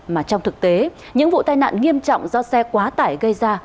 mà trong thực tế những vụ tai nạn nghiêm trọng do xe quá tải gây ra